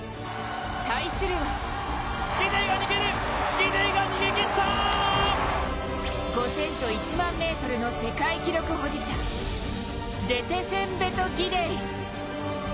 対するは５０００と１００００ｍの世界記録保持者、レテセンベト・ギデイ。